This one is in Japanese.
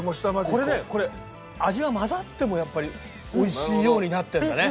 これ味が混ざってもやっぱり美味しいようになってるんだね。